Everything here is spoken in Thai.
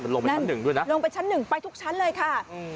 ลงไปชั้นหนึ่งด้วยนะลงไปชั้นหนึ่งไปทุกชั้นเลยค่ะ